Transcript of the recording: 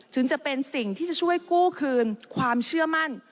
ถึงจะเป็นสิ่งที่จะช่วยกู้คืนความเชื่อมั่น